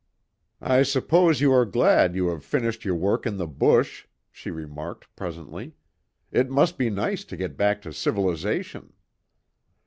"I suppose you are glad you have finished your work in the bush," she remarked presently. "It must be nice to get back to civilisation."